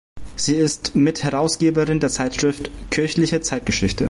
Sie ist Mitherausgeberin der Zeitschrift "Kirchliche Zeitgeschichte".